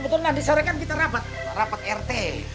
iya betul nah disarankan kita rapat rapat rt